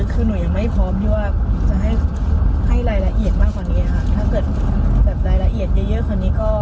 คือหนูยังไม่พร้อมที่จะให้รายละเอียดมากกว่านี้